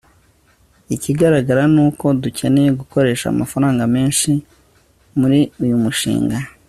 ikigaragara ni uko dukeneye gukoresha amafaranga menshi muri uyu mushinga